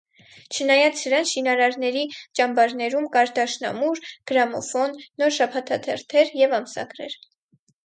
Չնայած սրան շինարարների ճամբարներում կար դաշնամուր, գրամոֆոն, նոր շաբաթաթերթեր և ամսագրեր։